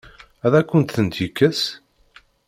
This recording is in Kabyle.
Ad akent-ten-yekkes?